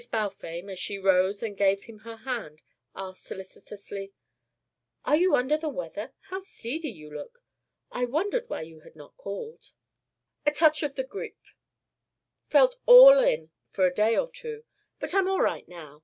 Balfame, as she rose and gave him her hand, asked solicitously: "Are you under the weather? How seedy you look. I wondered why you had not called " "A touch of the grippe. Felt all in for a day or two, but am all right now.